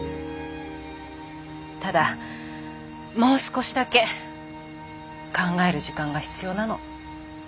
ただもう少しだけ考える時間が必要なの。